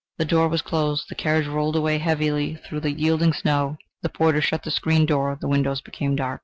The door was closed. The carriage rolled away heavily through the yielding snow. The porter shut the street door; the windows became dark.